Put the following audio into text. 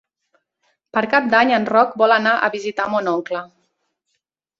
Per Cap d'Any en Roc vol anar a visitar mon oncle.